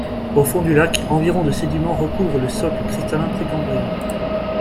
Au fond du lac, environ de sédiments recouvrent le socle cristallin précambrien.